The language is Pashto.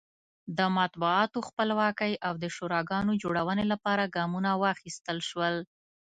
د مطبوعاتو خپلواکۍ او د شوراګانو جوړونې لپاره ګامونه واخیستل شول.